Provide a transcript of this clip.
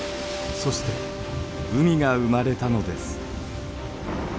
そして海が生まれたのです。